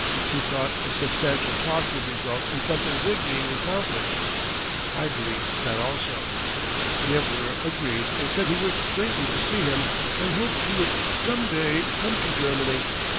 He thought a substantial talk would result in something good being accomplished. I believed that also. The Emperor agreed and said he wished greatly to see him and hoped he would some day come to Germany.